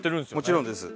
もちろんです。